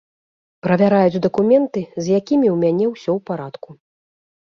Правяраюць дакументы, з якімі ў мяне ўсё ў парадку.